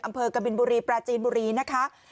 อำเภอกับบิลบุรีแปลจีนบุรีนะคะ